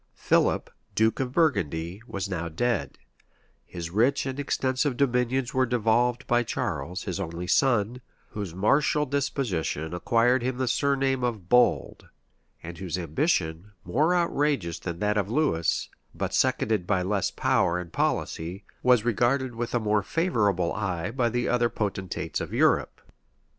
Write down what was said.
Philip, duke of Burgundy, was now dead: his rich and extensive dominions were devolved to Charles, his only son, whose martial disposition acquired him the surname of Bold, and whose ambition, more outrageous than that of Lewis, but seconded by less power and policy, was regarded with a more favorable eye by the other potentates of Europe.